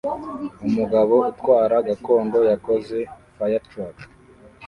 Umugabo utwara gakondo yakoze firetruck